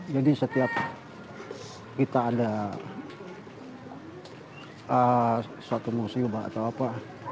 jadi setiap kita ada suatu musibah atau apa